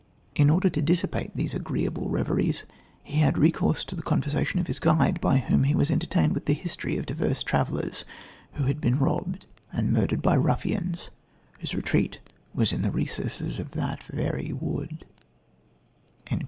In order to dissipate these agreeable reveries, he had recourse to the conversation of his guide, by whom he was entertained with the history of divers travellers who had been robbed and murdered by ruffians, whose retreat was in the recesses of that very wood."